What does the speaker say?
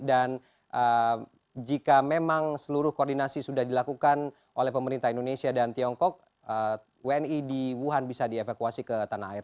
dan jika memang seluruh koordinasi sudah dilakukan oleh pemerintah indonesia dan tiongkok wni di wuhan bisa dievakuasi ke tanah air